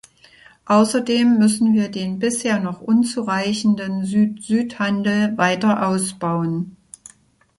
Außerdem müssen wir den bisher noch unzureichenden Süd-Süd-Handel weiter ausbauen.